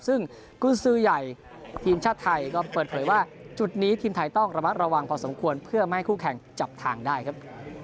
ซึ่งกุญสือใหญ่ทีมชาติไทยก็เปิดเผยว่าจุดนี้ทีมไทยต้องระมัดระวังพอสมควรเพื่อไม่ให้คู่แข่งจับทางได้ครับ